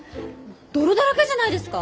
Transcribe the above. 泥だらけじゃないですか？